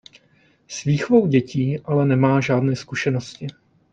S výchovou dětí ale nemá žádné zkušenosti.